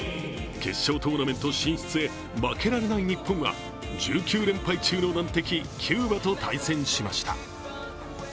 決勝トーナメント進出へ負けられない日本は１９連敗中の難敵・キューバと対戦しました。